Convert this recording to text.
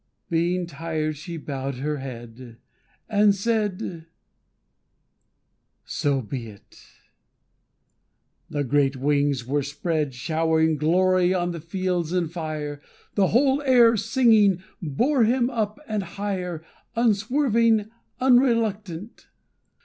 Being tired, she bowed her head; And said, "So be it!" The great wings were spread Showering glory on the fields, and fire. The whole air, singing, bore him up, and higher, Unswerving, unreluctant.